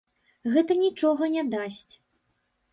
Гэта нічога не дасць.